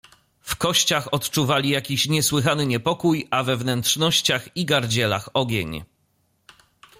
W kościach odczuwali jakiś niesłychany niepokój, a we wnętrznościach i gardzielach ogień.